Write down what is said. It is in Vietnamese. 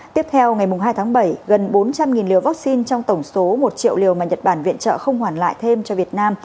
tiếp theo ngày hai tháng bảy gần bốn trăm linh liều vaccine trong tổng số một triệu liều mà nhật bản viện trợ không hoàn lại thêm cho việt nam